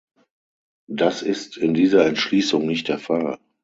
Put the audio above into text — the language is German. Das ist in dieser Entschließung nicht der Fall.